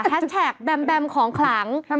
แท็กแบมแบมของขลัง